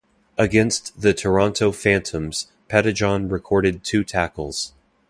Against the Toronto Phantoms, Pettijohn recorded two tackles.